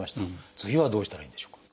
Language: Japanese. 次はどうしたらいいんでしょうか？